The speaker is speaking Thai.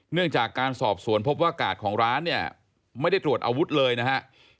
จากการสอบสวนพบว่ากาดของร้านเนี่ยไม่ได้ตรวจอาวุธเลยนะครับ